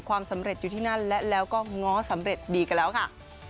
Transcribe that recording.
ความสำเร็จอยู่ที่นั่นและแล้วก็ง้อสำเร็จดีกันแล้วค่ะ